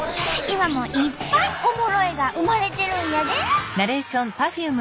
今もいっぱい「おもろい」が生まれてるんやで！